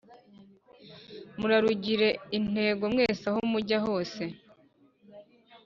Murarugire intego mwese aho mujya hose